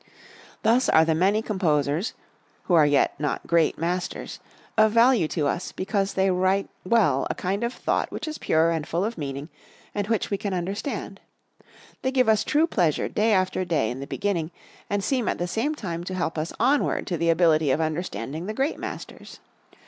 Thus are the many composers (who yet are not great masters) of value to us because they write well a kind of thought which is pure and full of meaning, and which we can understand. They give us true pleasure day after day in the beginning and seem at the same time to help us onward to the ability of understanding the great masters.